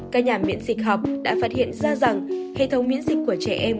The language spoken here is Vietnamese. các nhà miễn dịch học đã phát hiện ra rằng hệ thống miễn dịch của trẻ em